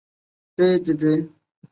出生于江苏南京。